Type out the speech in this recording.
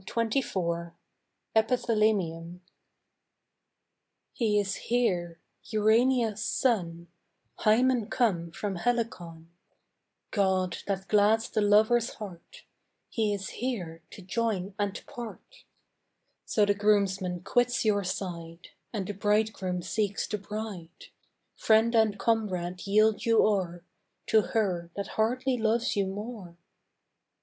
EPITHALAMIUM He is here, Urania's son, Hymen come from Helicon; God that glads the lover's heart, He is here to join and part. So the groomsman quits your side And the bridegroom seeks the bride: Friend and comrade yield you o'er To her that hardly loves you more.